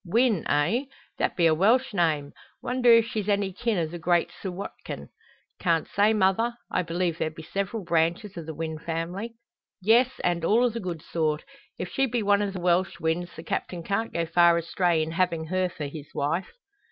"Wynn, eh? That be a Welsh name. Wonder if she's any kin o' the great Sir Watkin." "Can't say, mother. I believe there be several branches o' the Wynn family." "Yes, and all o' the good sort. If she be one o' the Welsh Wynns, the Captain can't go far astray in having her for his wife."